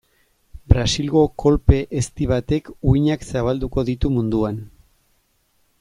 Brasilgo kolpe ezti batek uhinak zabalduko ditu munduan.